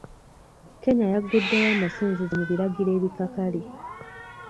Kenya yaguddewo amasinzizo mu biragiro ebikakali.